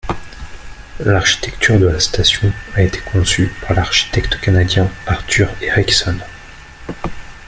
L'architecture de la station a été conçue par l'architecte canadien Arthur Erickson.